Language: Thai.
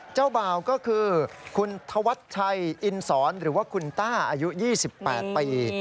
เจ้าบ่าวก็คือคุณธวัชชัยอินสอนหรือว่าคุณต้าอายุ๒๘ปี